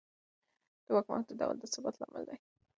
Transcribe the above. د واک محدودول د ثبات لامل دی